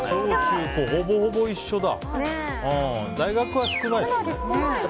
ほぼほぼ一緒だ。